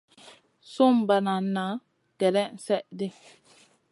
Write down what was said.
Sùm banana gèlèn slèʼɗi.